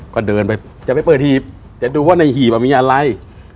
ก็เดินไปจะไปเปิดหีบจะดูว่าในหีบมีอะไร